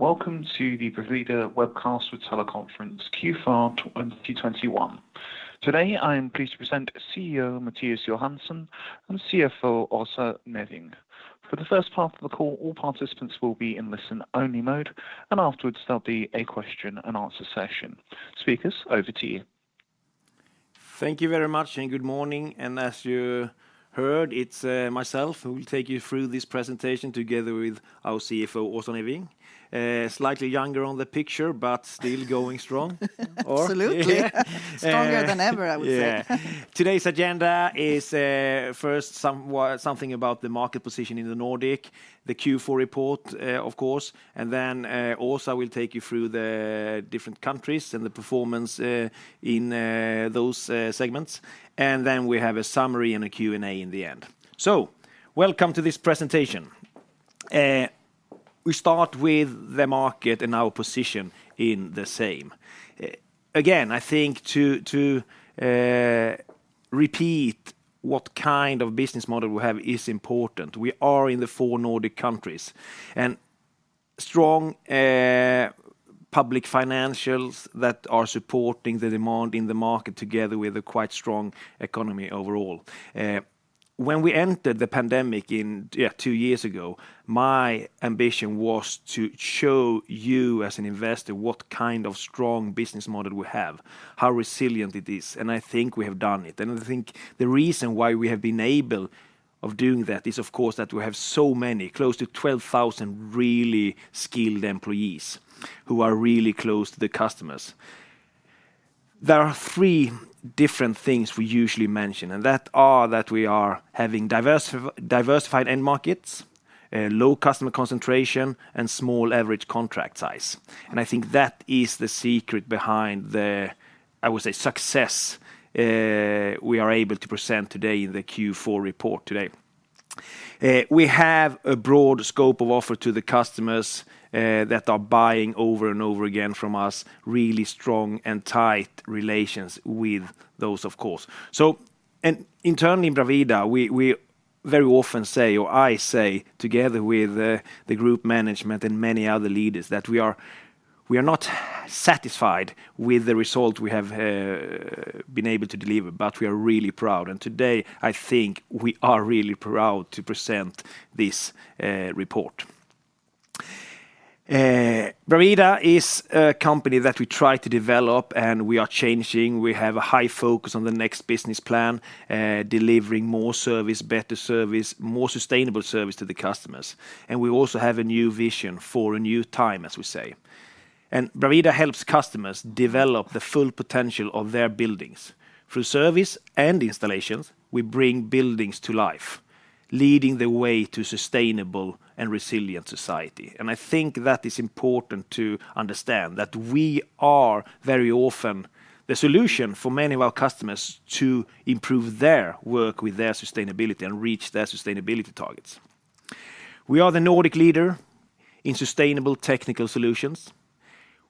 Welcome to the Bravida Webcast with Teleconference Q4 2021. Today, I am pleased to present CEO Mattias Johansson and CFO Åsa Neving. For the first part of the call, all participants will be in listen-only mode, and afterwards, there'll be a question-and-answer session. Speakers, over to you. Thank you very much, and good morning. As you heard, it's myself who will take you through this presentation together with our CFO, Åsa Neving. Slightly younger on the picture, but still going strong. Absolutely. Or... Uh- Stronger than ever, I would say. Yeah. Today's agenda is first something about the market position in the Nordic, the Q4 report, of course, and then Åsa will take you through the different countries and the performance in those segments. We have a summary and a Q&A in the end. Welcome to this presentation. We start with the market and our position in the same. Again, I think to repeat what kind of business model we have is important. We are in the four Nordic countries, and strong public finances that are supporting the demand in the market together with a quite strong economy overall. When we entered the pandemic in... Yeah, two years ago, my ambition was to show you as an investor what kind of strong business model we have, how resilient it is, and I think we have done it. I think the reason why we have been able of doing that is, of course, that we have so many, close to 12,000, really skilled employees who are really close to the customers. There are three different things we usually mention, and that are that we are having diversified end markets, low customer concentration, and small average contract size. I think that is the secret behind the, I would say, success we are able to present today in the Q4 report today. We have a broad scope of offer to the customers that are buying over and over again from us really strong and tight relations with those, of course. Internally in Bravida, we very often say, or I say together with the group management and many other leaders, that we are not satisfied with the result we have been able to deliver, but we are really proud. Today, I think we are really proud to present this report. Bravida is a company that we try to develop, and we are changing. We have a high focus on the next business plan, delivering more service, better service, more sustainable service to the customers. We also have a new vision for a new time, as we say. Bravida helps customers develop the full potential of their buildings. Through service and installations, we bring buildings to life, leading the way to sustainable and resilient society. I think that is important to understand that we are very often the solution for many of our customers to improve their work with their sustainability and reach their sustainability targets. We are the Nordic leader in sustainable technical solutions.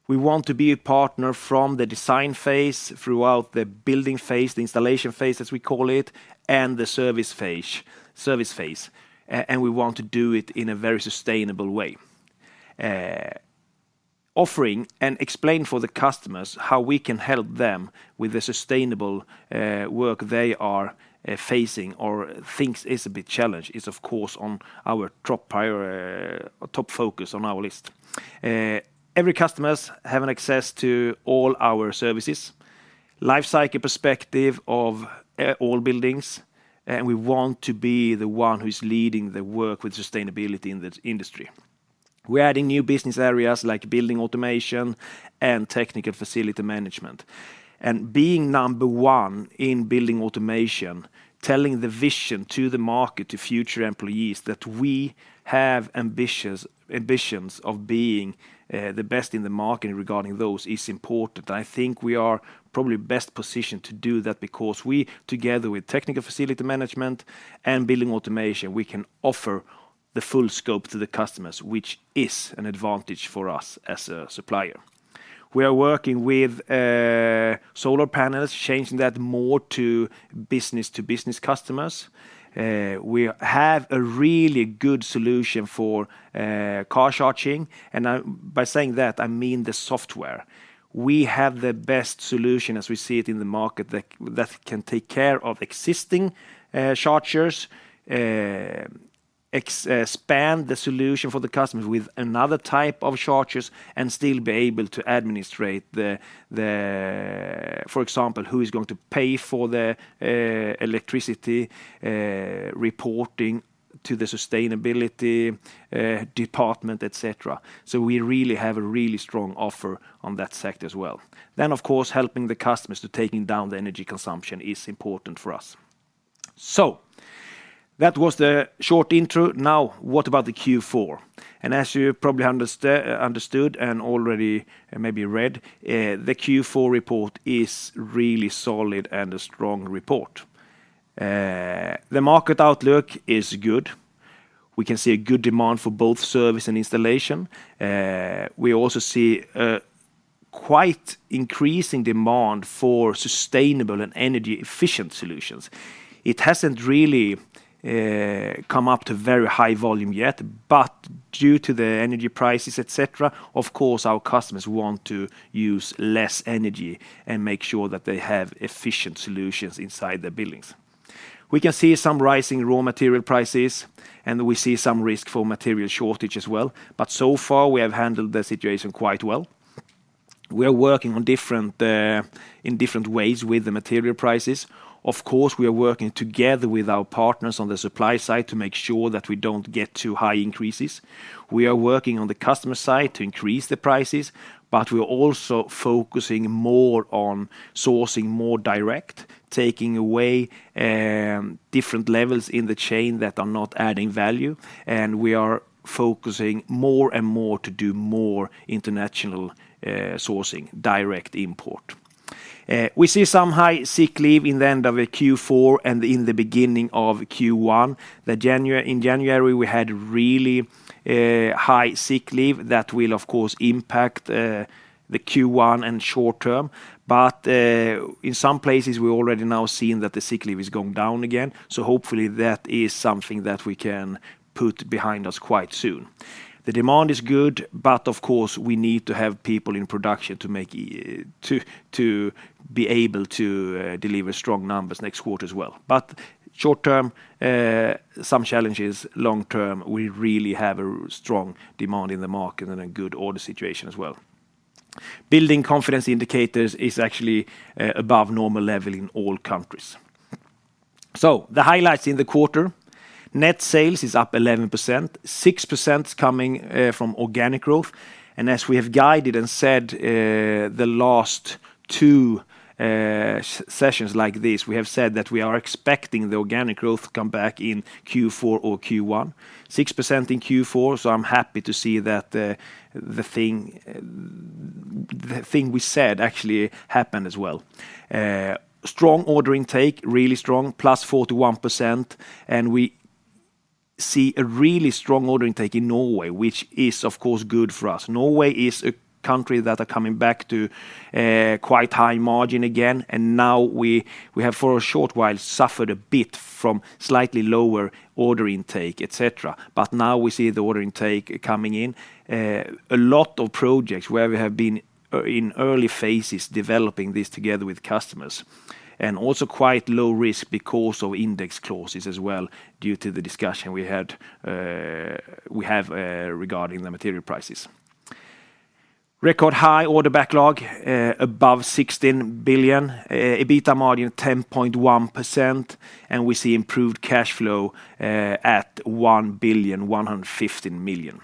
We want to be a partner from the design phase throughout the building phase, the installation phase, as we call it, and the service phase. We want to do it in a very sustainable way. Offering and explain for the customers how we can help them with the sustainable work they are facing or thinks is a bit challenged is of course on our top focus on our list. Every customers have an access to all our services, life cycle perspective of, all buildings, and we want to be the one who's leading the work with sustainability in this industry. We're adding new business areas like building automation and technical facility management. Being number one in building automation, telling the vision to the market, to future employees that we have ambitions of being, the best in the market regarding those is important. I think we are probably best positioned to do that because we, together with technical facility management and building automation, we can offer the full scope to the customers, which is an advantage for us as a supplier. We are working with, solar panels, changing that more to business-to-business customers. We have a really good solution for, car charging, and, by saying that, I mean the software. We have the best solution as we see it in the market that can take care of existing chargers, expand the solution for the customers with another type of chargers and still be able to administrate the for example who is going to pay for the electricity, reporting to the sustainability department, et cetera. We really have a really strong offer on that sector as well. Of course, helping the customers to taking down the energy consumption is important for us. That was the short intro. Now, what about the Q4? As you probably understood and already maybe read, the Q4 report is really solid and a strong report. The market outlook is good. We can see a good demand for both service and installation. We also see quite increasing demand for sustainable and energy efficient solutions. It hasn't really come up to very high volume yet, but due to the energy prices, et cetera, of course, our customers want to use less energy and make sure that they have efficient solutions inside their buildings. We can see some rising raw material prices, and we see some risk for material shortage as well. So far, we have handled the situation quite well. We are working in different ways with the material prices. Of course, we are working together with our partners on the supply side to make sure that we don't get too high increases. We are working on the customer side to increase the prices, but we are also focusing more on sourcing more direct, taking away different levels in the chain that are not adding value, and we are focusing more and more to do more international sourcing, direct import. We see some high sick leave in the end of Q4 and in the beginning of Q1. In January, we had really high sick leave that will of course impact the Q1 and short term. In some places, we're already now seeing that the sick leave is going down again. Hopefully, that is something that we can put behind us quite soon. The demand is good, but of course, we need to have people in production to make to be able to deliver strong numbers next quarter as well. Short term, some challenges, long term, we really have a strong demand in the market and a good order situation as well. Building confidence indicators is actually above normal level in all countries. The highlights in the quarter, net sales are up 11%, 6% coming from organic growth. As we have guided and said, the last two sessions like this, we have said that we are expecting the organic growth to come back in Q4 or Q1, 6% in Q4, so I'm happy to see that the thing we said actually happened as well. Strong order intake, really strong, +41%, and we see a really strong order intake in Norway, which is of course good for us. Norway is a country that are coming back to quite high margin again. Now we have for a short while suffered a bit from slightly lower order intake, et cetera. We see the order intake coming in. A lot of projects where we have been in early phases developing this together with customers. Also, quite low risk because of index clauses as well, due to the discussion we had, we have regarding the material prices. Record high order backlog above 16 billion, EBITDA margin 10.1%, and we see improved cash flow at 1 billion, 150 million.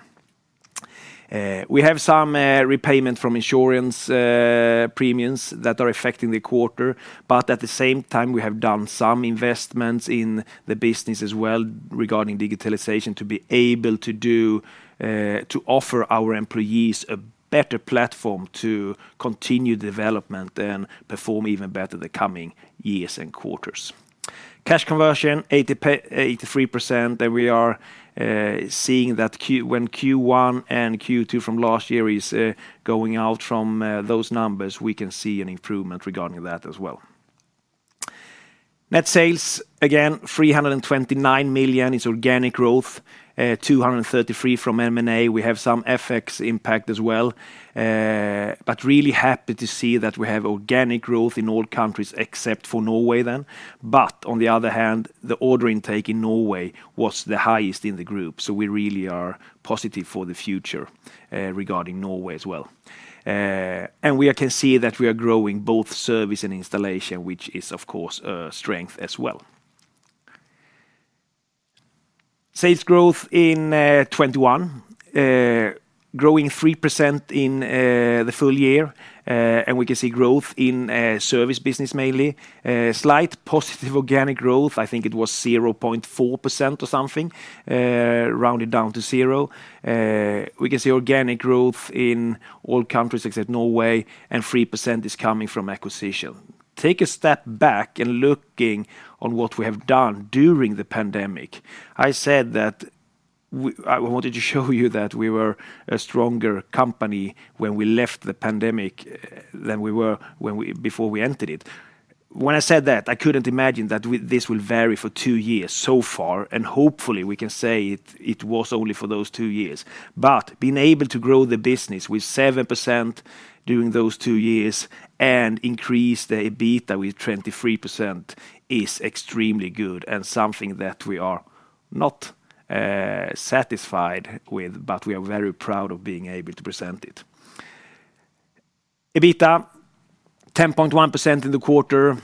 We have some repayment from insurance premiums that are affecting the quarter, but at the same time, we have done some investments in the business as well regarding digitalization to offer our employees a better platform to continue development and perform even better the coming years and quarters. Cash conversion 83%, and we are seeing that when Q1 and Q2 from last year is going out from those numbers, we can see an improvement regarding that as well. Net sales, again, 329 million is organic growth, 233 million from M&A. We have some FX impact as well. But really happy to see that we have organic growth in all countries except for Norway then. On the other hand, the order intake in Norway was the highest in the group. We really are positive for the future, regarding Norway as well. We can see that we are growing both service and installation, which is of course a strength as well. Sales growth in 2021, growing 3% in the full year, and we can see growth in service business mainly. Slight positive organic growth. I think it was 0.4% or something, rounded down to zero. We can see organic growth in all countries except Norway, and 3% is coming from acquisition. Take a step back in looking on what we have done during the pandemic. I said that I wanted to show you that we were a stronger company when we left the pandemic than we were when we before we entered it. When I said that, I couldn't imagine that this will vary for two years so far, and hopefully, we can say it was only for those two years. Being able to grow the business with 7% during those two years and increase the EBITDA with 23% is extremely good and something that we are not satisfied with, but we are very proud of being able to present it. EBITDA 10.1% in the quarter.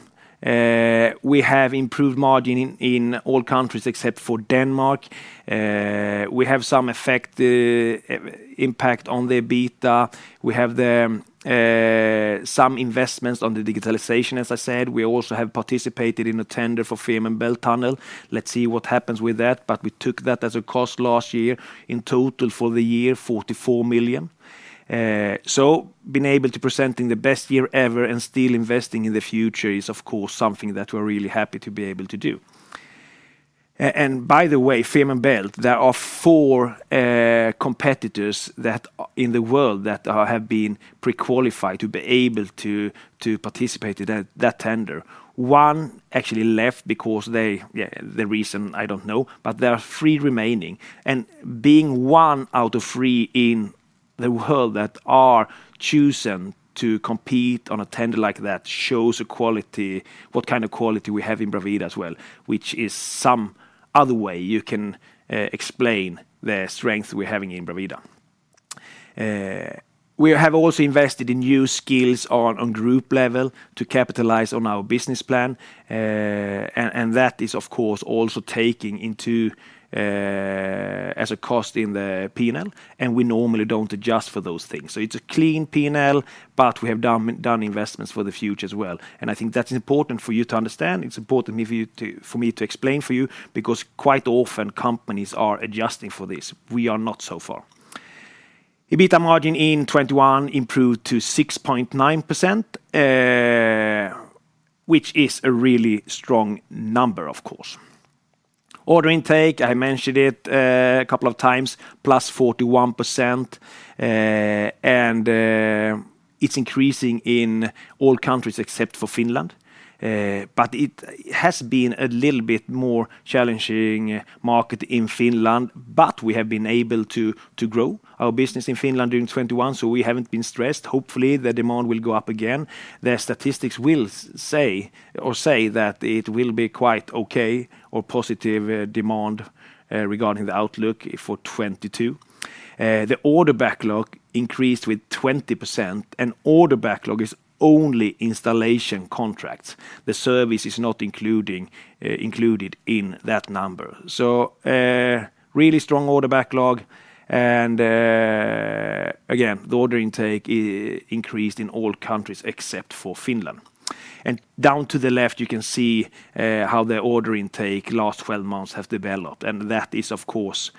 We have improved margin in all countries except for Denmark. We have some effect impact on the EBITDA. We have some investments on the digitalization, as I said. We also have participated in a tender for Fehmarn Belt tunnel. Let's see what happens with that, but we took that as a cost last year. In total for the year, 44 million. Being able to present in the best year ever and still investing in the future is of course something that we're really happy to be able to do. By the way, Fehmarn Belt, there are four competitors in the world that have been pre-qualified to be able to participate in that tender. One actually left because they, the reason I don't know, but there are three remaining. Being one out of three in the world that are chosen to compete on a tender like that shows a quality, what kind of quality we have in Bravida as well, which is some other way you can explain the strength we're having in Bravida. We have also invested in new skills on group level to capitalize on our business plan. That is, of course, also taking into as a cost in the P&L, and we normally don't adjust for those things. So it's a clean P&L, but we have done investments for the future as well. I think that's important for you to understand. It's important for you to, for me to explain for you, because quite often companies are adjusting for this. We are not so far. EBITDA margin in 2021 improved to 6.9%, which is a really strong number, of course. Order intake, I mentioned it a couple of times, +41%, and it's increasing in all countries except for Finland. It has been a little bit more challenging market in Finland, but we have been able to grow our business in Finland during 2021, so we haven't been stressed. Hopefully, the demand will go up again. The statistics will say that it will be quite okay or positive demand regarding the outlook for 2022. The order backlog increased with 20%, and order backlog is only installation contracts. The service is not included in that number. Really strong order backlog, and again, the order intake increased in all countries except for Finland. Down to the left, you can see how the order intake last 12 months have developed, and that is of course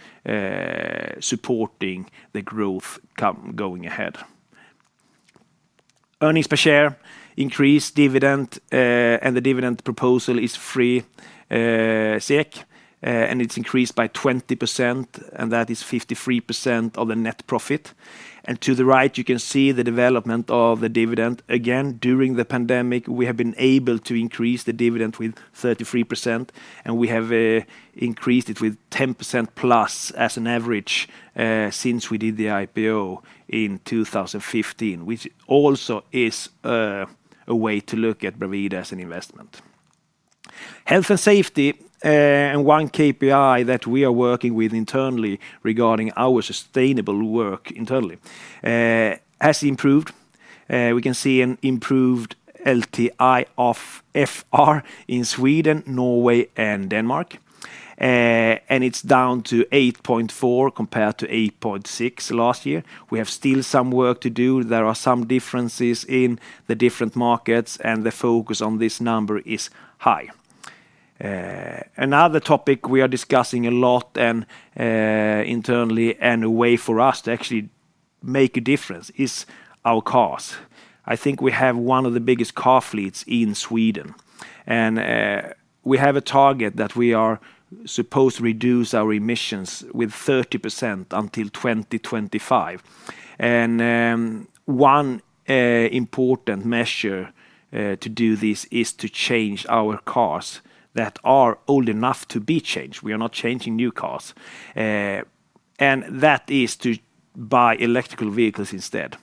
supporting the growth coming, going ahead. Earnings per share increased dividend, and the dividend proposal is SEK 3, and it's increased by 20%, and that is 53% of the net profit. To the right, you can see the development of the dividend. Again, during the pandemic, we have been able to increase the dividend with 33%, and we have increased it with 10%+ as an average, since we did the IPO in 2015, which also is a way to look at Bravida as an investment. Health and safety, and one KPI that we are working with internally regarding our sustainable work internally has improved. We can see an improved LTIFR overall in Sweden, Norway and Denmark. It's down to 8.4% compared to 8.6% last year. We have still some work to do. There are some differences in the different markets, and the focus on this number is high. Another topic we are discussing a lot internally and a way for us to actually make a difference is our cars. I think we have one of the biggest car fleets in Sweden. We have a target that we are supposed to reduce our emissions with 30% until 2025. One important measure to do this is to change our cars that are old enough to be changed. We are not changing new cars. That is to buy electric vehicles instead.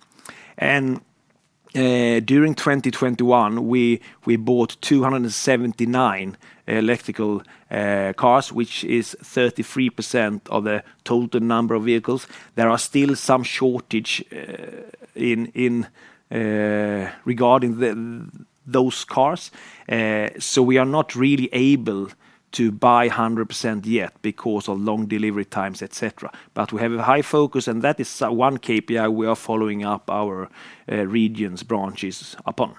During 2021, we bought 279 electric cars, which is 33% of the total number of vehicles. There are still some shortage regarding those cars. We are not really able to buy 100% yet because of long delivery times, etcetera. We have a high focus, and that is one KPI we are following up our regions branches upon.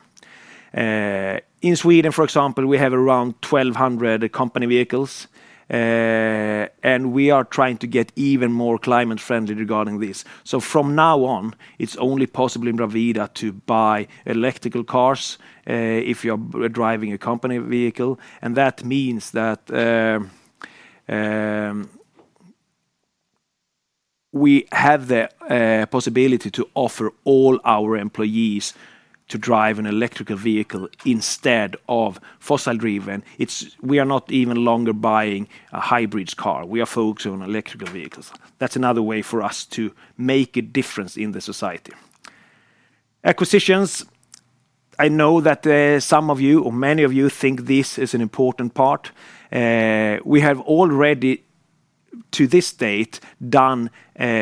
In Sweden, for example, we have around 1,200 company vehicles, and we are trying to get even more climate friendly regarding this. From now on, it's only possible in Bravida to buy electric cars if you're driving a company vehicle, and that means that we have the possibility to offer all our employees to drive an electric vehicle instead of fossil driven. We are no longer buying a hybrid car. We are focusing on electric vehicles. That's another way for us to make a difference in society. Acquisitions. I know that some of you or many of you think this is an important part. We have already, to this date, done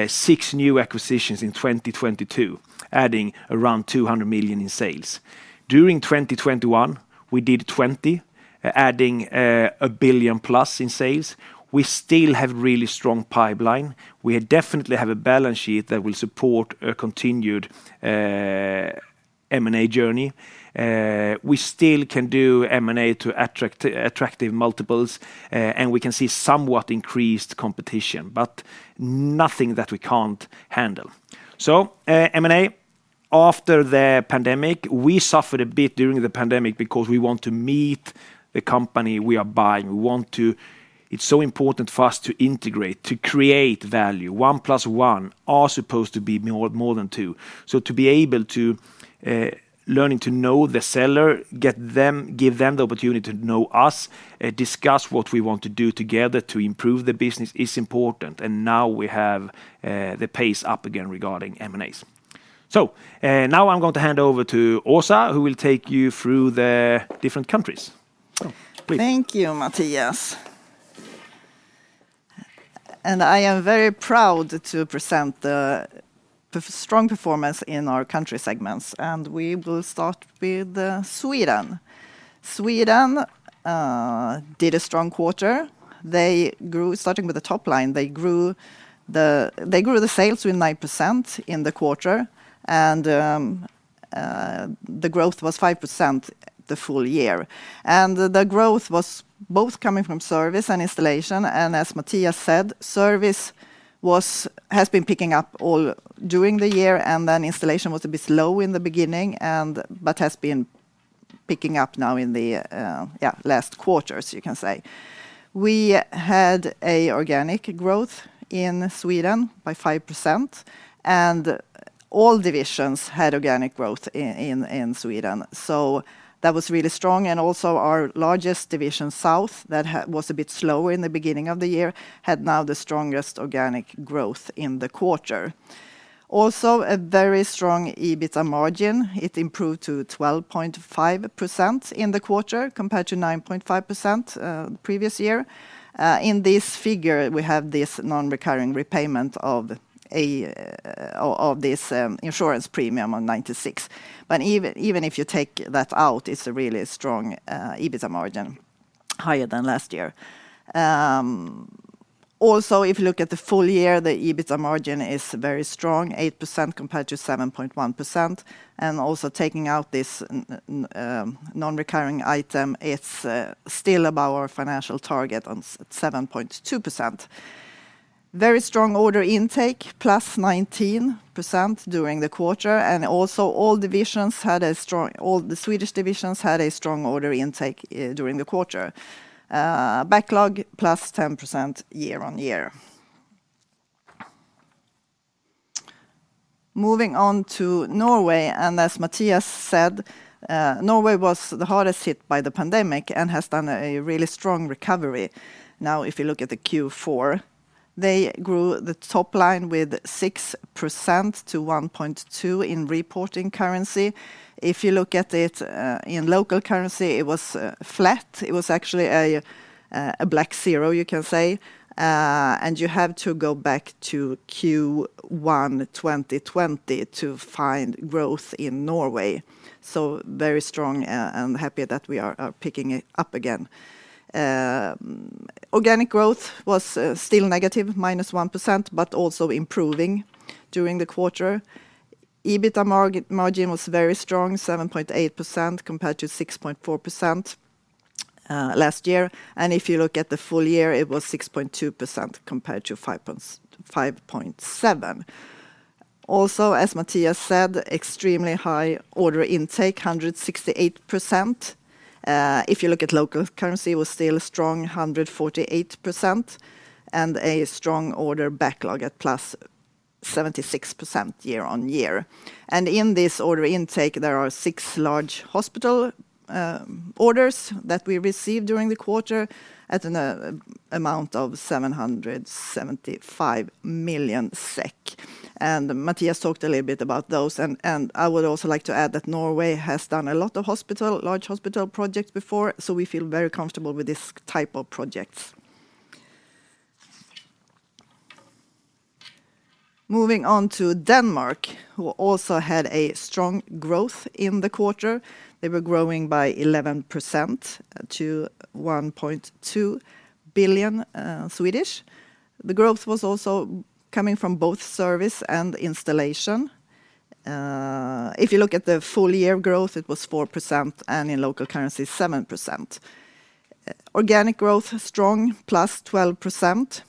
six new acquisitions in 2022, adding around 200 million in sales. During 2021, we did 20, adding a billion plus in sales. We still have really strong pipeline. We definitely have a balance sheet that will support a continued M&A journey. We still can do M&A to attractive multiples, and we can see somewhat increased competition, but nothing that we can't handle. M&A after the pandemic, we suffered a bit during the pandemic because we want to meet the company we are buying. We want to... It's so important for us to integrate, to create value. One plus one are supposed to be more than two. To be able to learning to know the seller, get them, give them the opportunity to know us, discuss what we want to do together to improve the business is important. Now we have the pace up again regarding M&As. Now I'm going to hand over to Åsa, who will take you through the different countries. Please. Thank you, Mattias. I am very proud to present the strong performance in our country segments, and we will start with Sweden. Sweden did a strong quarter. They grew, starting with the top line, the sales with 9% in the quarter, and the growth was 5% the full year. The growth was both coming from service and installation, and as Mattias said, service has been picking up all during the year, and then installation was a bit slow in the beginning but has been picking up now in the last quarters, you can say. We had organic growth in Sweden by 5%, and all divisions had organic growth in Sweden. That was really strong. Our largest division, South, that was a bit slower in the beginning of the year, had now the strongest organic growth in the quarter. A very strong EBITA margin. It improved to 12.5% in the quarter compared to 9.5%, the previous year. In this figure, we have this non-recurring repayment of this insurance premium in 1996. Even if you take that out, it's a really strong EBITA margin, higher than last year. If you look at the full year, the EBITA margin is very strong, 8% compared to 7.1%. Taking out this non-recurring item, it's still above our financial target of 7.2%. Very strong order intake, +19% during the quarter, and all divisions had a strong All the Swedish divisions had a strong order intake during the quarter. Backlog +10% year-over-year. Moving on to Norway, and as Mattias said, Norway was the hardest hit by the pandemic and has done a really strong recovery. Now, if you look at the Q4, they grew the top line with 6% to 1.2 in reporting currency. If you look at it in local currency, it was a black zero, you can say. You have to go back to Q1 2020 to find growth in Norway. Very strong, I'm happy that we are picking it up again. Organic growth was still negative -1% but also improving during the quarter. EBITA margin was very strong, 7.8% compared to 6.4% last year. If you look at the full year, it was 6.2% compared to 5.7%. Also, as Mattias said, extremely high order intake, 168%. If you look at local currency, it was still strong, 148%, and a strong order backlog at +76% year-on-year. In this order intake, there are 6 large hospital orders that we received during the quarter at an amount of 775 million SEK. Mattias talked a little bit about those, and I would also like to add that Norway has done a lot of hospital, large hospital projects before, so we feel very comfortable with this type of projects. Moving on to Denmark, who also had a strong growth in the quarter. They were growing by 11% to 1.2 billion. The growth was also coming from both service and installation. If you look at the full-year growth, it was 4%, and in local currency, 7%. Organic growth, strong, +12%.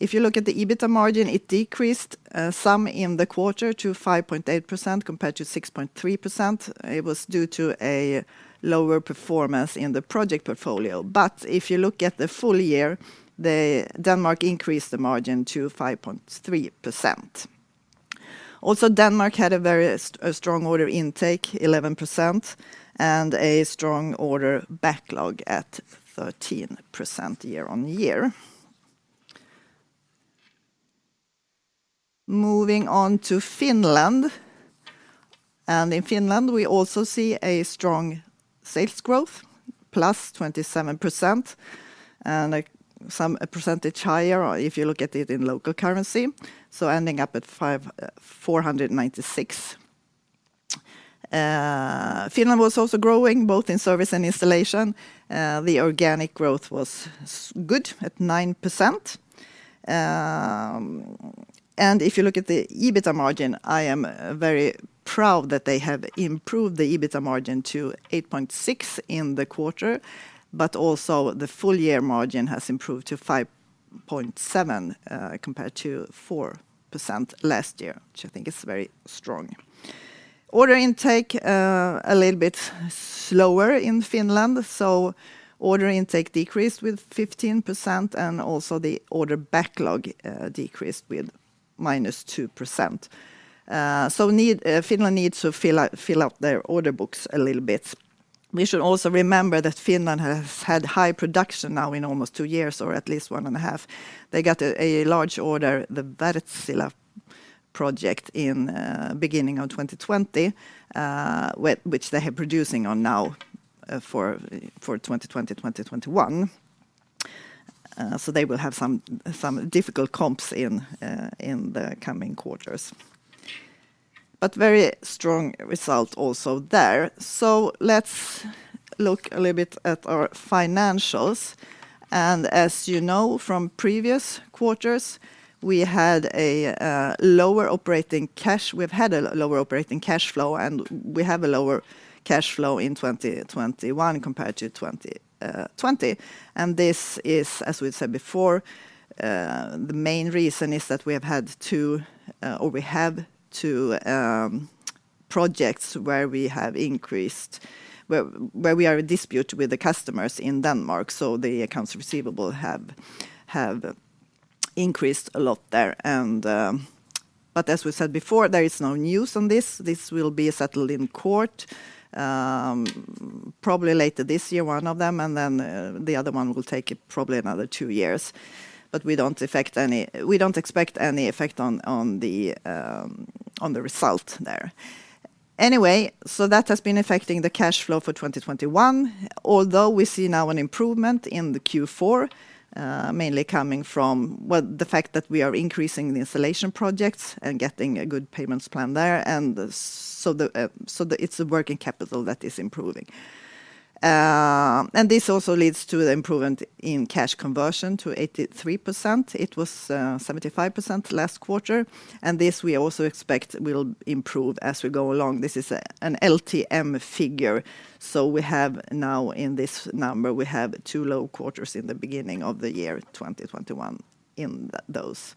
If you look at the EBITA margin, it decreased some in the quarter to 5.8% compared to 6.3%. It was due to a lower performance in the project portfolio. If you look at the full year, Denmark increased the margin to 5.3%. Also, Denmark had a very strong order intake, 11%, and a strong order backlog at 13% year-on-year. Moving on to Finland. In Finland, we also see a strong sales growth, +27%, and some percentage higher if you look at it in local currency, so ending up at 5,496. Finland was also growing both in service and installation. The organic growth was good at 9%. If you look at the EBITA margin, I am very proud that they have improved the EBITA margin to 8.6% in the quarter, but also the full-year margin has improved to 5.07%, compared to 4% last year, which I think is very strong. Order intake a little bit slower in Finland, so order intake decreased with 15%, and also the order backlog decreased with minus 2%. Finland needs to fill out their order books a little bit. We should also remember that Finland has had high production now in almost two years, or at least one and a half. They got a large order, the Wärtsilä project in beginning of 2020, which they are producing on now for 2020, 2021. They will have some difficult comps in the coming quarters. Very strong results there also. Let's look a little bit at our financials. As you know from previous quarters, we've had a lower operating cash flow, and we have a lower cash flow in 2021 compared to 2020. This is, as we've said before, the main reason is that we have had two projects where we are in dispute with the customers in Denmark, so the accounts receivable have increased a lot there. As we said before, there is no news on this. This will be settled in court, probably later this year, one of them, and then the other one will take probably another two years. We don't expect any effect on the result there. That has been affecting the cash flow for 2021, although we see now an improvement in the Q4, mainly coming from the fact that we are increasing the installation projects and getting good payments plan there, and it's the working capital that is improving. This also leads to the improvement in cash conversion to 83%. It was 75% last quarter. This we also expect will improve as we go along. This is an LTM figure, so we have now in this number, we have two low quarters in the beginning of the year 2021 in those.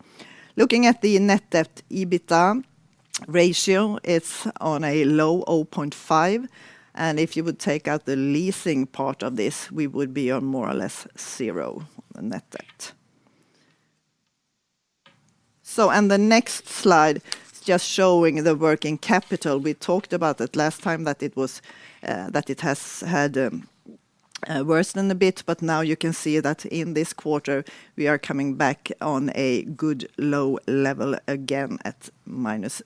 Looking at the net debt-to-EBITDA ratio, it's on a low 0.5%, and if you would take out the leasing part of this, we would be on more or less zero net debt. On the next slide, just showing the working capital. We talked about it last time, that it has worsened a bit, but now you can see that in this quarter, we are coming back on a good low level again at minus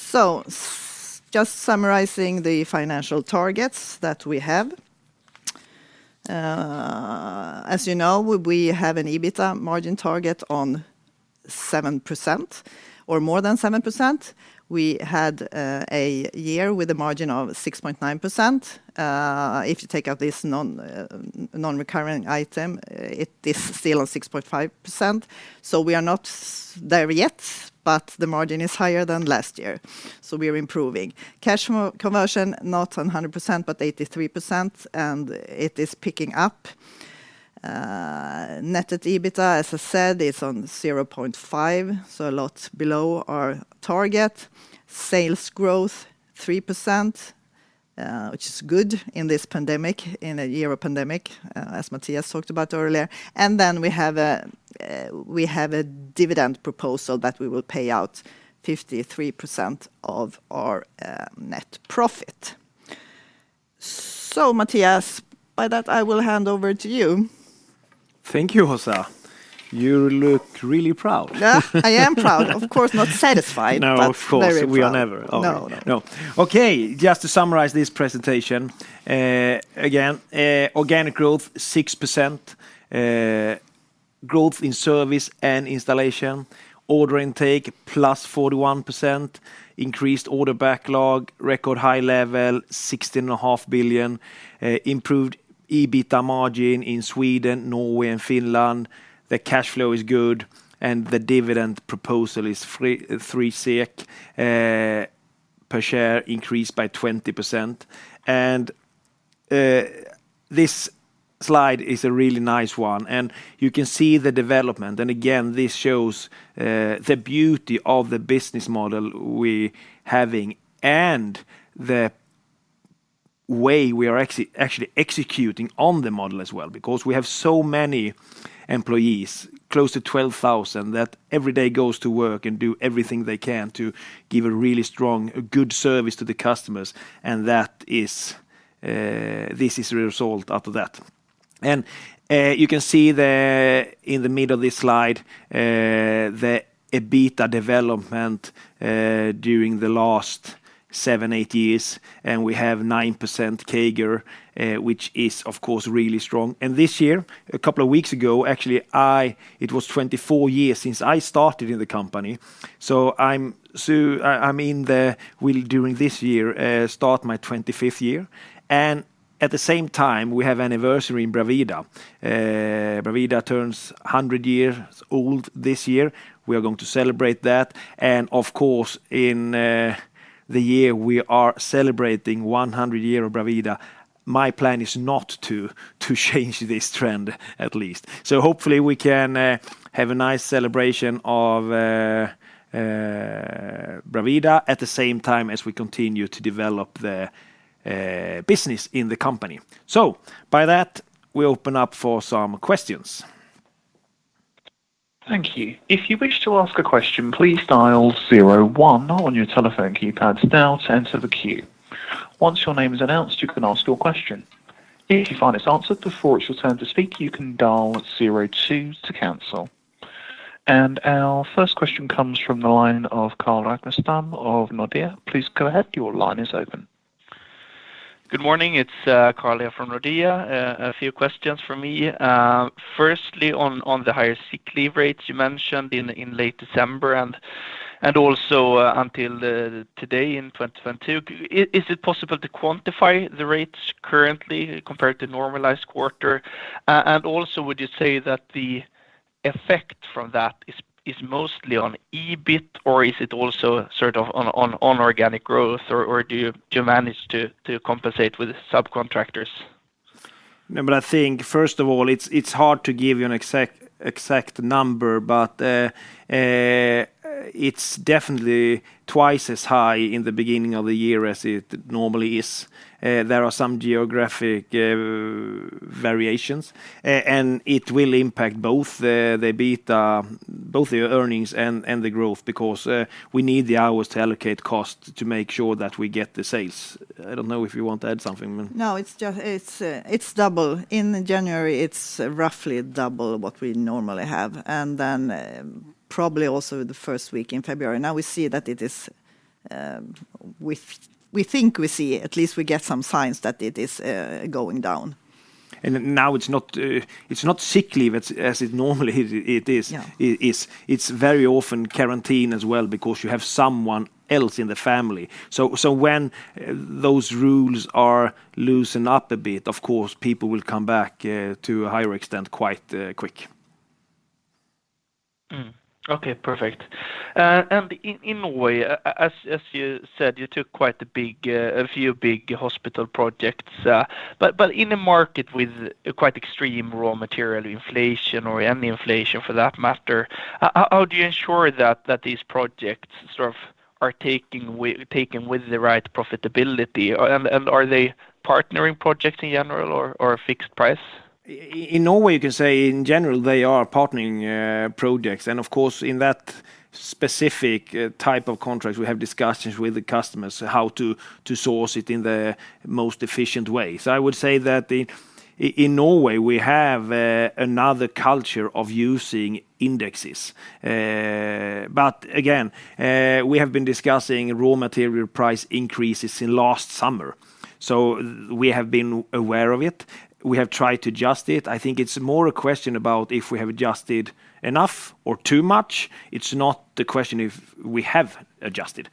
6.7%. Just summarizing the financial targets that we have. As you know, we have an EBITDA margin target on 7%, or more than 7%. We had a year with a margin of 6.9%. If you take out this non-recurring item, it is still on 6.5%. We are not there yet, but the margin is higher than last year, we are improving. Cash conversion, not 100%, but 83%, and it is picking up. Net debt-to-EBITDA, as I said, is on 0.5%, so a lot below our target. Sales growth, 3%, which is good in this pandemic, in a year of pandemic, as Mattias talked about earlier. We have a dividend proposal that we will pay out 53% of our net profit. Mattias, by that, I will hand over to you. Thank you, Åsa. You looked really proud. Yeah. I am proud. Of course, not satisfied. No, of course. Very proud. We are never. No, no. Okay, just to summarize this presentation, again, organic growth 6%, growth in service and installation, order intake +41%, increased order backlog, record high level, 8 billion, improved EBITDA margin in Sweden, Norway, and Finland. The cash flow is good, and the dividend proposal is 3 per share, increased by 20%. This slide is a really nice one, and you can see the development. Again, this shows the beauty of the business model we having and the way we are actually executing on the model as well, because we have so many employees, close to 12,000, that every day goes to work and do everything they can to give a really strong, good service to the customers, and this is the result of that. You can see the, in the middle of this slide, the EBITDA development during the last seven, eight years, and we have 9% CAGR, which is of course really strong. This year, a couple of weeks ago, actually, it was 24 years since I started in the company, so I will during this year start my 25th year. At the same time, we have anniversary in Bravida. Bravida turns 100 years old this year. We are going to celebrate that. Of course, in the year we are celebrating 100 years of Bravida. My plan is not to change this trend at least. Hopefully we can have a nice celebration of Bravida at the same time as we continue to develop the business in the company. By that, we open up for some questions. Thank you. If you wish to ask a question, please dial zero one on your telephone keypads now to enter the queue. Once your name is announced, you can ask your question. If you find it's answered before it's your turn to speak, you can dial zero two to cancel. Our first question comes from the line of Carl Ragnerstam of Nordea. Please go ahead. Your line is open. Good morning. It's Carl from Nordea. A few questions from me. Firstly on the higher sick leave rates you mentioned in late December and also until today in 2022. Is it possible to quantify the rates currently compared to normalized quarter? Also would you say that the effect from that is mostly on EBIT or is it also sort of on organic growth or do you manage to compensate with subcontractors? No, I think first of all, it's hard to give you an exact number, but it's definitely twice as high in the beginning of the year as it normally is. There are some geographic variations, and it will impact both the EBITDA, both the earnings and the growth because we need the hours to allocate costs to make sure that we get the sales. I don't know if you want to add something. No, it's just double. In January, it's roughly double what we normally have, and then probably also the first week in February. Now we see that it is. We think we see, at least we get some signs that it is going down. Now it's not sick leave as it normally is. Yeah. It's very often quarantine as well because you have someone else in the family. When those rules are loosened up a bit, of course, people will come back to a higher extent quite quick. Okay, perfect. In a way, as you said, you took a few big hospital projects, but in a market with quite extreme raw material inflation or any inflation for that matter, how do you ensure that these projects sort of are taken with the right profitability? Are they partnering projects in general or a fixed price? In Norway, you can say in general they are partnering projects. Of course, in that specific type of contract, we have discussions with the customers how to source it in the most efficient way. I would say that in Norway, we have another culture of using indexes. Again, we have been discussing raw material price increases in last summer. We have been aware of it. We have tried to adjust it. I think it's more a question about if we have adjusted enough or too much. It's not the question if we have adjusted.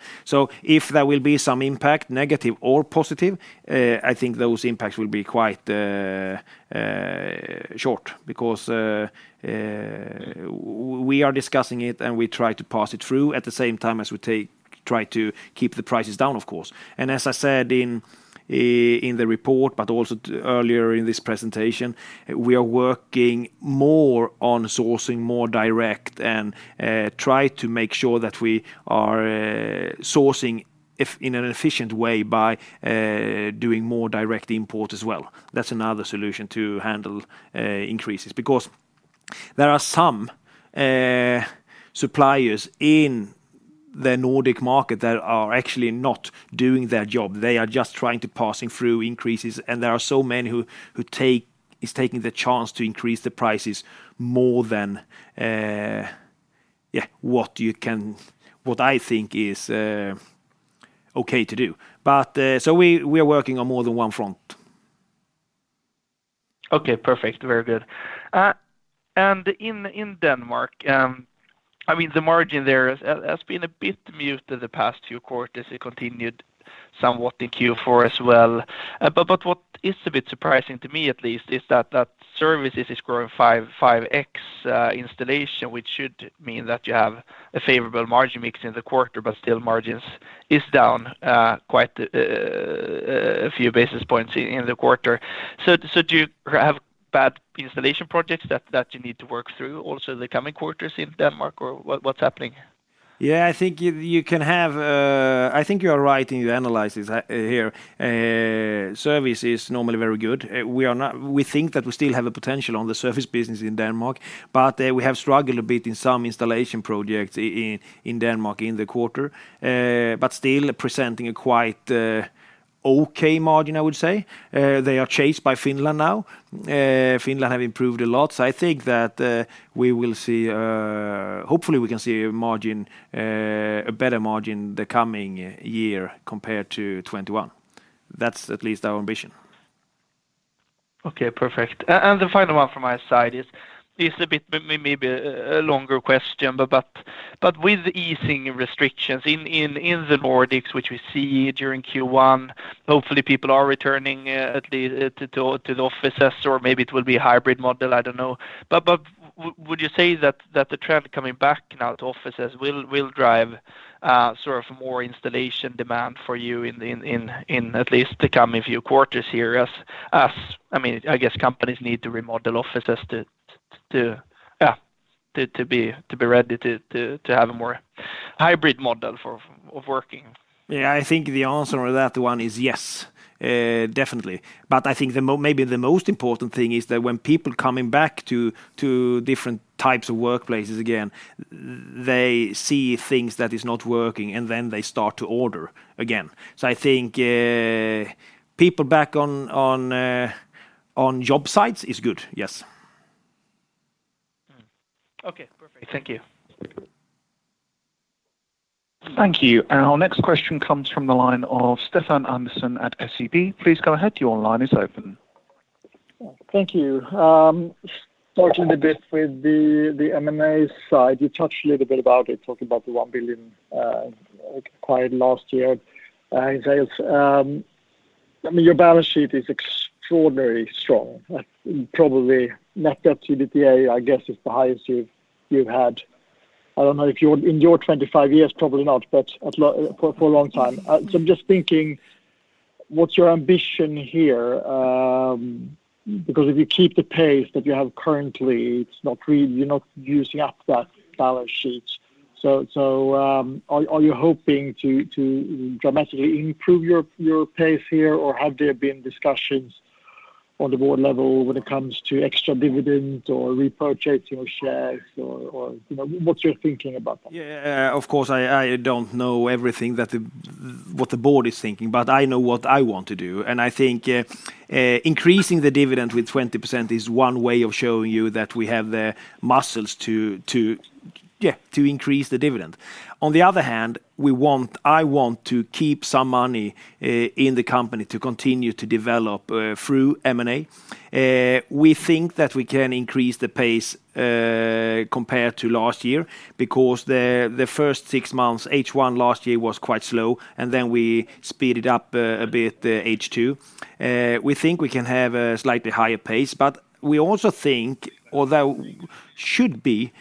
If there will be some impact, negative or positive, I think those impacts will be quite short because we are discussing it and we try to pass it through at the same time as we try to keep the prices down, of course. As I said in the report, but also earlier in this presentation, we are working more on sourcing more directly and try to make sure that we are sourcing in an efficient way by doing more direct import as well. That's another solution to handle increases because there are some suppliers in the Nordic market that are actually not doing their job. They are just trying to pass through increases. There are so many who is taking the chance to increase the prices more than what I think is okay to do. We are working on more than one front. Okay, perfect. Very good. In Denmark, I mean, the margin there has been a bit muted the past few quarters. It continued somewhat in Q4 as well. What is a bit surprising to me at least is that services is growing 5x installation, which should mean that you have a favorable margin mix in the quarter, but still margins is down quite a few basis points in the quarter. Do you have bad installation projects that you need to work through also the coming quarters in Denmark or what's happening? Yeah, I think you are right in your analysis here. Service is normally very good. We think that we still have a potential on the service business in Denmark, but we have struggled a bit in some installation projects in Denmark in the quarter. Still presenting a quite okay margin, I would say. They are chased by Finland now. Finland have improved a lot. I think that we will see, hopefully we can see a margin, a better margin the coming year compared to 2021. That's at least our ambition. Okay, perfect. The final one from my side is a bit maybe a longer question, but with easing restrictions in the Nordics, which we see during Q1, hopefully people are returning to the offices or maybe it will be a hybrid model, I don't know. Would you say that the traffic coming back now to offices will drive sort of more installation demand for you in at least the coming few quarters here. I mean, I guess companies need to remodel offices to be ready to have a more hybrid model for of working. Yeah, I think the answer to that one is yes, definitely. I think maybe the most important thing is that when people coming back to different types of workplaces again, they see things that is not working and then they start to order again. I think people back on job sites is good, yes. Okay. Perfect. Thank you. Thank you. Our next question comes from the line of Stefan Andersson at SEB. Please go ahead, your line is open. Thank you. Starting a bit with the M&A side, you touched a little bit about it, talked about the 1 billion acquired last year in sales. I mean, your balance sheet is extraordinarily strong. Probably net debt-to-EBITDA I guess is the highest you've had. I don't know, if you're in your 25 years, probably not, but for a long time. So I'm just thinking what's your ambition here? Because if you keep the pace that you have currently, it's not really, you're not using up that balance sheet. So, are you hoping to dramatically improve your pace here or have there been discussions on the board level when it comes to extra dividends or repurchasing of shares or you know, what's your thinking about that? Of course, I don't know everything that what the board is thinking, but I know what I want to do. I think increasing the dividend with 20% is one way of showing you that we have the muscles to increase the dividend. On the other hand, we want, I want to keep some money in the company to continue to develop through M&A. We think that we can increase the pace compared to last year because the first six months, H1 last year was quite slow, and then we speed it up a bit, H2. We think we can have a slightly higher pace, but we also think although should be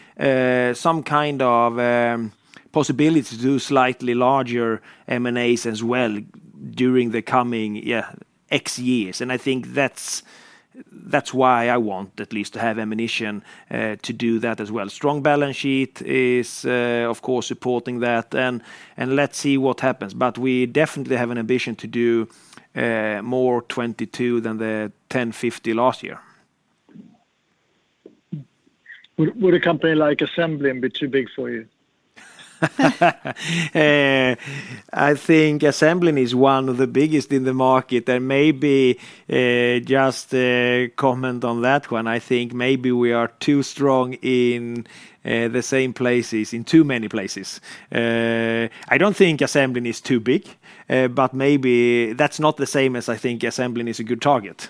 some kind of possibility to do slightly larger M&As as well during the coming X years. I think that's why I want at least to have ammunition to do that as well. Strong balance sheet is of course supporting that and let's see what happens. We definitely have an ambition to do more 22 than the 1,050 last year. Would a company like Assemblin be too big for you? I think Assemblin is one of the biggest in the market, and maybe, just a comment on that one. I think maybe we are too strong in, the same places, in too many places. I don't think Assemblin is too big, but maybe that's not the same as I think Assemblin is a good target.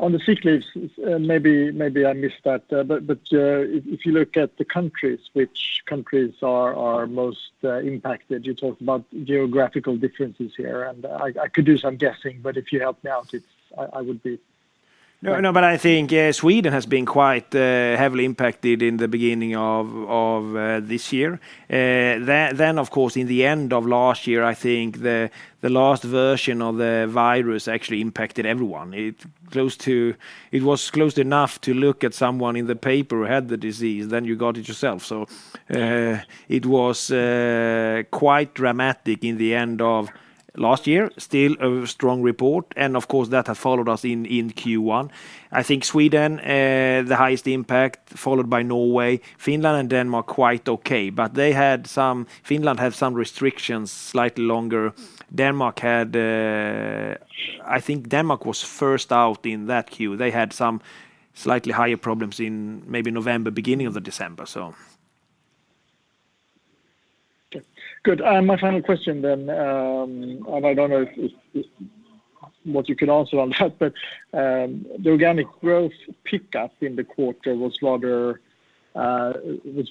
On the sick leaves, maybe I missed that, but if you look at the countries, which countries are most impacted? You talked about geographical differences here, and I could do some guessing, but if you help me out, I would be grateful. No, no. I think Sweden has been quite heavily impacted in the beginning of this year. Of course, in the end of last year, I think the last version of the virus actually impacted everyone. It was close enough to look at someone in the paper who had the disease, then you got it yourself. It was quite dramatic in the end of last year. Still a strong report, and of course, that has followed us in Q1. I think Sweden had the highest impact followed by Norway. Finland and Denmark quite okay, but they had some. Finland had some restrictions slightly longer. Denmark had. I think Denmark was first out in that queue. They had some slightly higher problems in maybe November, beginning of December, so. Okay. Good. My final question, and I don't know if what you can answer on that but, the organic growth pickup in the quarter was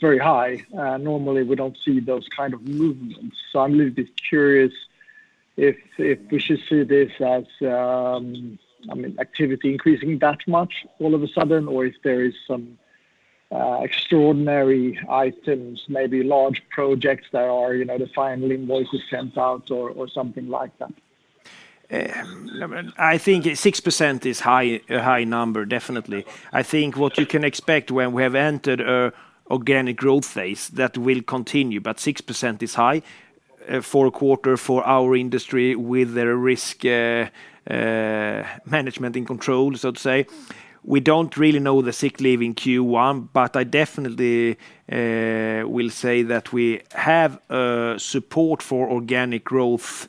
very high. Normally we don't see those kind of movements. I'm a little bit curious if we should see this as, I mean, activity increasing that much all of a sudden or if there is some extraordinary items, maybe large projects that are, you know, the final invoice is sent out or something like that. I think 6% is high, a high number, definitely. I think what you can expect when we have entered an organic growth phase, that will continue, but 6% is high for a quarter for our industry with the risk management and control, so to say. We don't really know the sick leave in Q1, but I definitely will say that we have support for organic growth.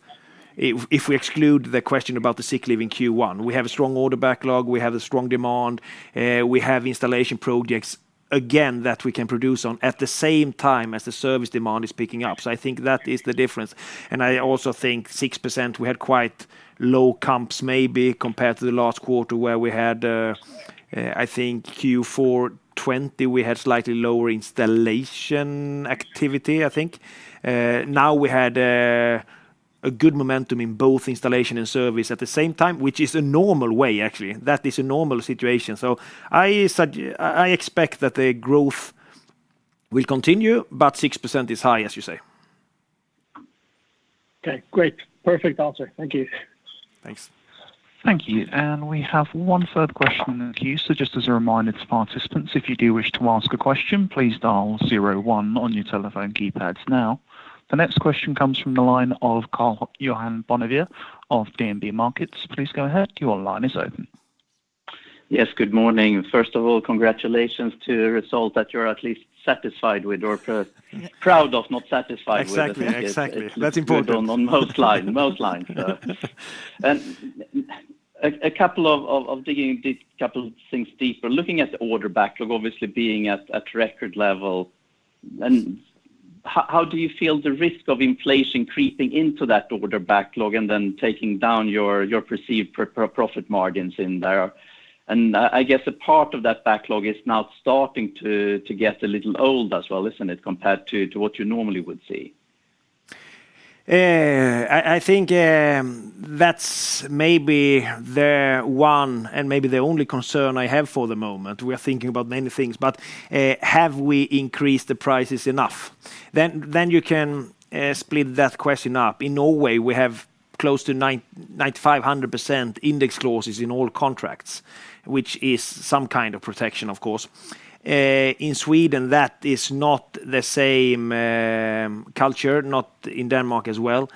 If we exclude the question about the sick leave in Q1. We have a strong order backlog, we have a strong demand, we have installation projects again that we can produce on at the same time as the service demand is picking up. I think that is the difference, and I also think 6%, we had quite low comps maybe compared to the last quarter where we had, I think Q4 2020 we had slightly lower installation activity, I think. Now we had a good momentum in both installation and service at the same time, which is a normal way actually. That is a normal situation. I expect that the growth will continue, but 6% is high, as you say. Okay, great. Perfect answer. Thank you. Thanks. Thank you. We have our third question in the queue. Just as a reminder to participants, if you do wish to ask a question, please dial zero one on your telephone keypads now. The next question comes from the line of Carl-Johan Bonnevier of DNB Markets. Please go ahead. Your line is open. Yes, good morning. First of all, congratulations to a result that you're at least satisfied with or proud of, not satisfied with. Exactly. That's important. I think it is good on most lines. A couple of things to dig deeper. Looking at the order backlog obviously being at record level, and how do you feel the risk of inflation creeping into that order backlog and then taking down your perceived profit margins in there? I guess a part of that backlog is now starting to get a little old as well, isn't it? Compared to what you normally would see. I think that's maybe the one and maybe the only concern I have for the moment. We are thinking about many things, but have we increased the prices enough? Then you can split that question up. In Norway we have close to 95%-100% index clauses in all contracts, which is some kind of protection of course. In Sweden that is not the same culture, not in Denmark as well,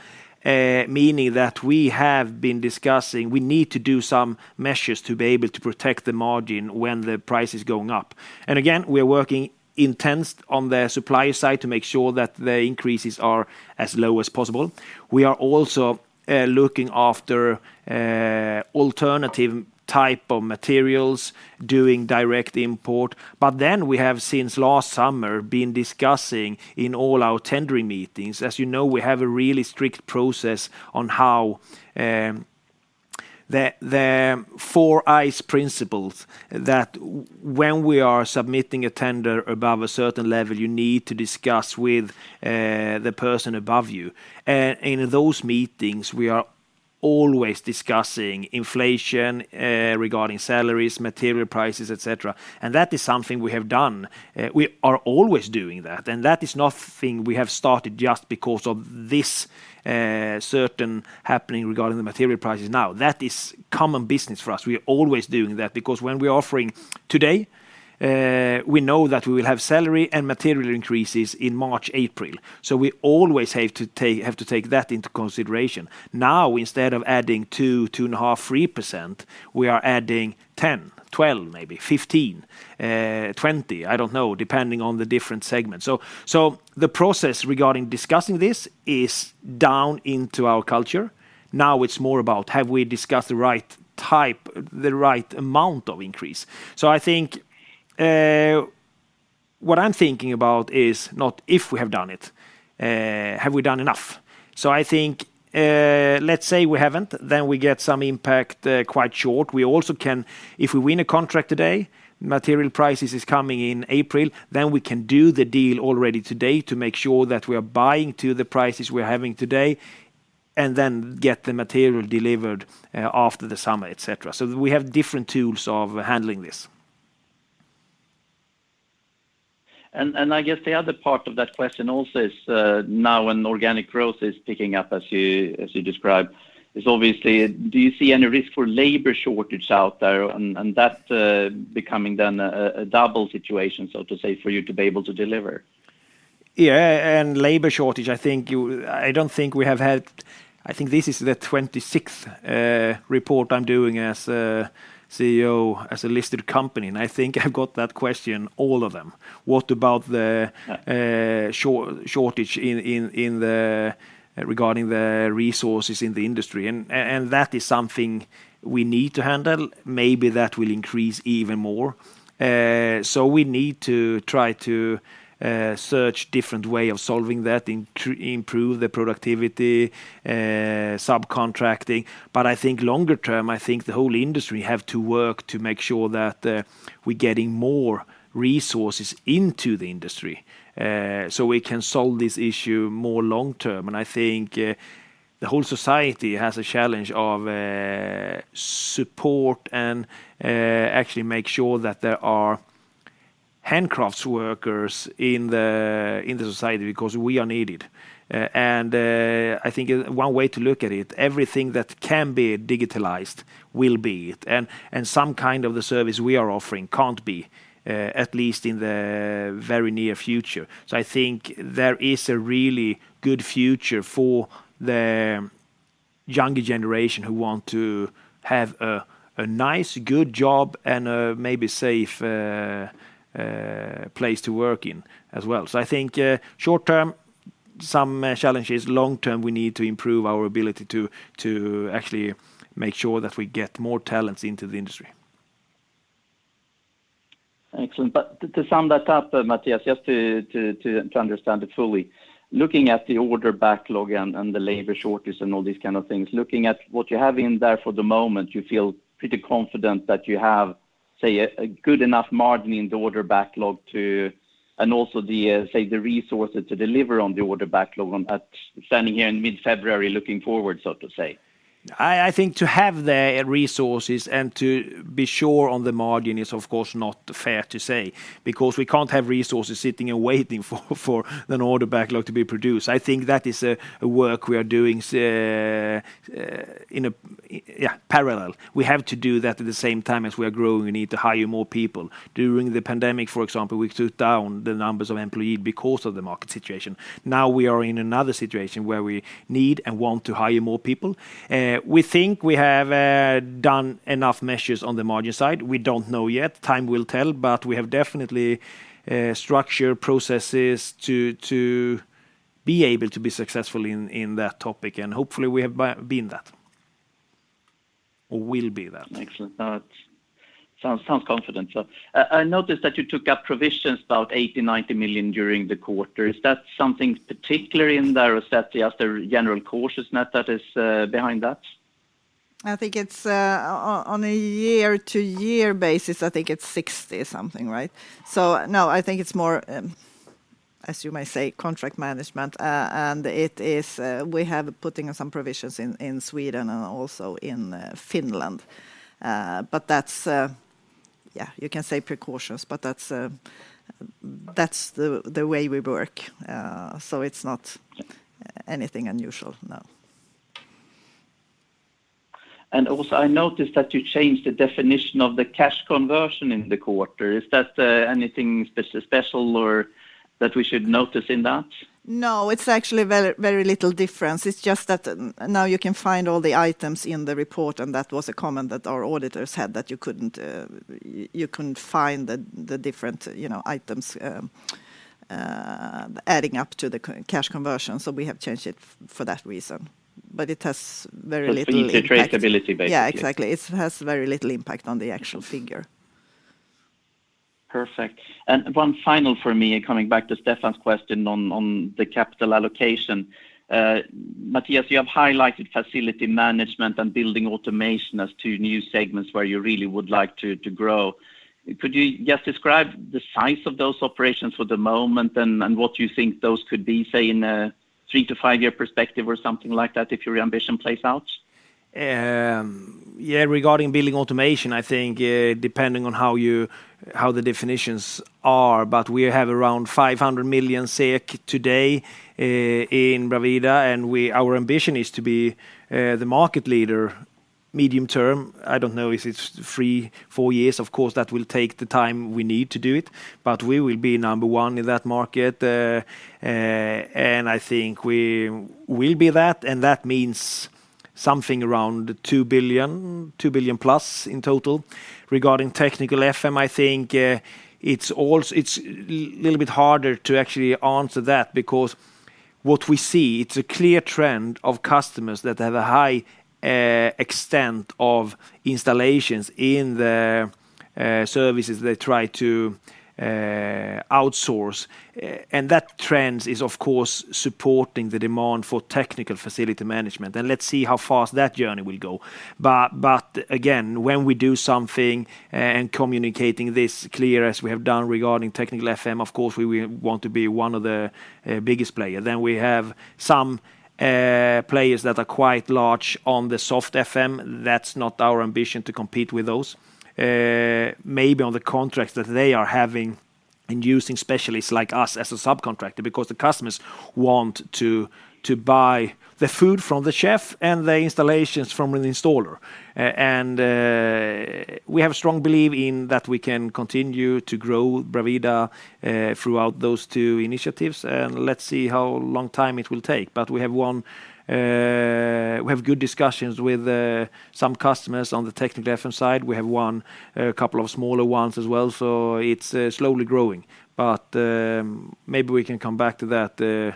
meaning that we have been discussing we need to do some measures to be able to protect the margin when the price is going up. Again, we are working intense on the supply side to make sure that the increases are as low as possible. We are also looking after alternative type of materials, doing direct import. We have since last summer been discussing in all our tendering meetings, as you know, we have a really strict process on how the four-eyes principle when we are submitting a tender above a certain level, you need to discuss with the person above you. In those meetings we are always discussing inflation regarding salaries, material prices, et cetera. That is something we have done. We are always doing that, and that is nothing we have started just because of this certain happening regarding the material prices now. That is common business for us. We are always doing that because when we are offering today, we know that we will have salary and material increases in March, April. We always have to take that into consideration. Now, instead of adding 2.5%, 3%, we are adding 10%, 12% maybe, 15%, 20%, I don't know, depending on the different segments. The process regarding discussing this is down into our culture. Now it's more about have we discussed the right type, the right amount of increase? I think, what I'm thinking about is not if we have done it, have we done enough? I think, let's say we haven't, then we get some impact, quite short. We also can, if we win a contract today, material prices is coming in April, then we can do the deal already today to make sure that we are buying to the prices we are having today, and then get the material delivered, after the summer, et cetera. We have different tools of handling this. I guess the other part of that question also is, now when organic growth is picking up, as you described, obviously do you see any risk for labor shortage out there, that becoming then a double situation, so to say, for you to be able to deliver? Yeah, labor shortage. I think this is the 26th report I'm doing as a CEO of a listed company, and I think I've got that question in all of them. What about the? Yeah Shortage regarding the resources in the industry. That is something we need to handle. Maybe that will increase even more. We need to try to search different way of solving that, improve the productivity, subcontracting. I think longer term, I think the whole industry have to work to make sure that we're getting more resources into the industry, so we can solve this issue more long term. I think the whole society has a challenge of support and actually make sure that there are handcrafts workers in the society because we are needed. I think one way to look at it, everything that can be digitalized will be. Some kind of the service we are offering can't be at least in the very near future. I think there is a really good future for the younger generation who want to have a nice, good job and a maybe safe place to work in as well. I think short term, some challenges. Long term, we need to improve our ability to actually make sure that we get more talents into the industry. Excellent. To sum that up, Mattias, just to understand it fully, looking at the order backlog and the labor shortage and all these kind of things, looking at what you have in there for the moment, you feel pretty confident that you have, say, a good enough margin in the order backlog, and also, say, the resources to deliver on the order backlog, standing here in mid-February looking forward, so to say? I think to have the resources and to be sure on the margin is of course not fair to say because we can't have resources sitting and waiting for an order backlog to be produced. I think that is a work we are doing in parallel. We have to do that at the same time as we are growing, we need to hire more people. During the pandemic, for example, we took down the numbers of employees because of the market situation. Now we are in another situation where we need and want to hire more people. We think we have done enough measures on the margin side. We don't know yet. Time will tell. We have definitely structure, processes to be able to be successful in that topic, and hopefully we have been that or will be that. Excellent. That sounds confident. I noticed that you took up provisions about 80 million-90 million during the quarter. Is that something particular in there or is that just a general cautiousness that is behind that? I think it's on a year-over-year basis, I think it's 60 million-something, right? No, I think it's more, as you may say, contract management. It is, we have putting some provisions in Sweden and also in Finland. But that's, yeah, you can say precautions, but that's the way we work. It's not anything unusual, no. Also I noticed that you changed the definition of the cash conversion in the quarter. Is that anything special or that we should notice in that? No, it's actually very, very little difference. It's just that now you can find all the items in the report, and that was a comment that our auditors had that you couldn't find the different, you know, items adding up to the cash conversion. So we have changed it for that reason. But it has very little impact. It's the traceability basically. Yeah, exactly. It has very little impact on the actual figure. Perfect. One final for me, coming back to Stefan's question on the capital allocation. Mattias, you have highlighted facility management and building automation as two new segments where you really would like to grow. Could you just describe the size of those operations for the moment and what you think those could be, say, in a three- to five-year perspective or something like that if your ambition plays out? Yeah, regarding building automation, I think, depending on how the definitions are, but we have around 500 million SEK today in Bravida, and our ambition is to be the market leader medium term. I don't know if it's three, four years. Of course, that will take the time we need to do it, but we will be number one in that market. And I think we will be that, and that means something around 2 billion plus in total. Regarding technical FM, I think, it's a little bit harder to actually answer that because what we see, it's a clear trend of customers that have a high extent of installations in their services they try to outsource. That trend is of course supporting the demand for technical facility management, and let's see how fast that journey will go. But again, when we do something and communicating this clear as we have done regarding technical FM, of course, we want to be one of the biggest player. We have some players that are quite large on the soft FM. That's not our ambition to compete with those. Maybe on the contracts that they are having and using specialists like us as a subcontractor because the customers want to buy the food from the chef and the installations from an installer. And we have strong belief in that we can continue to grow Bravida throughout those two initiatives, and let's see how long time it will take. We have one... We have good discussions with some customers on the technical FM side. We have one couple of smaller ones as well, so it's slowly growing. Maybe we can come back to that in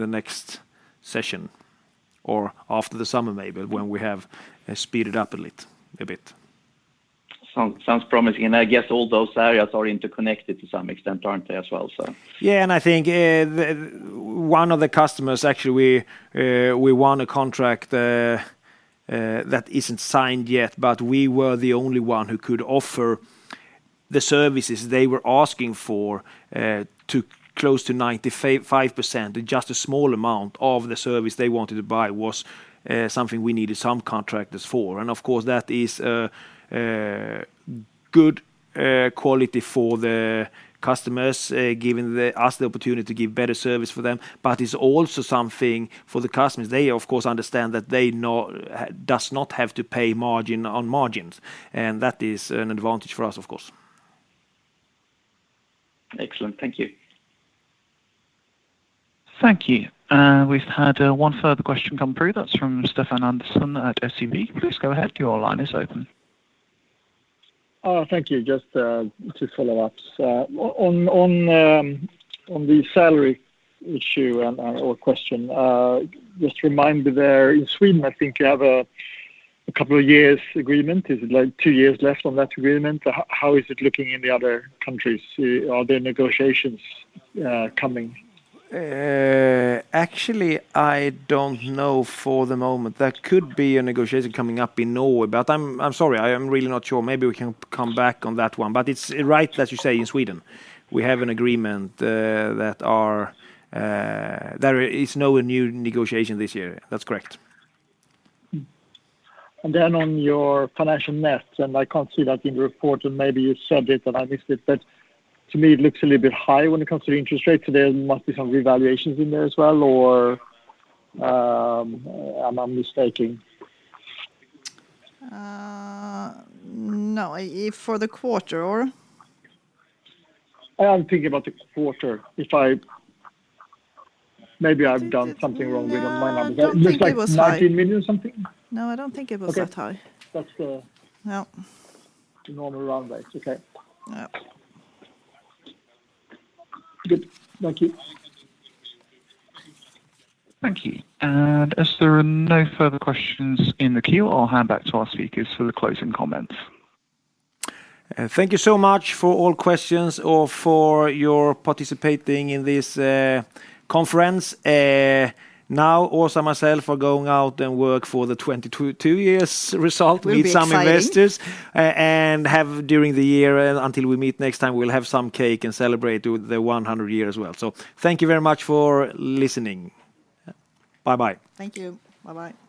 the next session or after the summer maybe when we have sped it up a bit. Sounds promising. I guess all those areas are interconnected to some extent, aren't they as well? Yeah, I think one of the customers, actually, we won a contract that isn't signed yet, but we were the only one who could offer the services they were asking for, to close to 95%. Just a small amount of the service they wanted to buy was something we needed some contractors for. Of course, that is good quality for the customers, giving us the opportunity to give better service for them. It's also something for the customers. They of course understand that they does not have to pay margin on margins, and that is an advantage for us, of course. Excellent. Thank you. Thank you. We've had one further question come through. That's from Stefan Andersson at SEB. Please go ahead. Your line is open. Oh, thank you. Just two follow-ups. On the salary issue or question, just remind there, in Sweden I think you have a couple of years agreement. Is it like two years left on that agreement? How is it looking in the other countries? Are there negotiations coming? Actually, I don't know for the moment. There could be a negotiation coming up in Norway. I'm sorry, I am really not sure. Maybe we can come back on that one. It's right that you say in Sweden. We have an agreement that are. There is no new negotiation this year. That's correct. On your financial net, and I can't see that in the report, and maybe you said it and I missed it, but to me it looks a little bit high when it comes to the interest rate. There must be some revaluations in there as well or, am I mistaken? No. For the quarter or? I'm thinking about the quarter. Maybe I've done something wrong with my numbers. No, I don't think it was high. It looks like 19 million something. No, I don't think it was that high. Okay. No normal round way. It's okay. Yeah. Good. Thank you. Thank you. As there are no further questions in the queue, I'll hand back to our speakers for the closing comments. Thank you so much for all questions and for your participating in this conference. Now Åsa and myself are going to work on the 2022 year's result- Will be exciting. meet some investors. And have during the year until we meet next time, we'll have some cake and celebrate with the 100 year as well. Thank you very much for listening. Bye-bye. Thank you. Bye-bye.